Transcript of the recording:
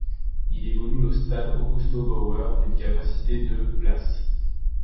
Il évolue au stade Augusto Bauer d'une capacité de places.